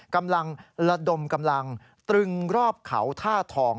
กำลังระดมกำลังตรึงรอบเขาท่าทอง